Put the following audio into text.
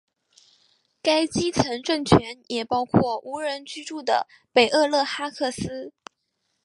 该基层政权也包括无人居住的北厄勒哈克斯。